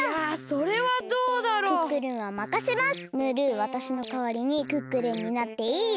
わたしのかわりにクックルンになっていいよ！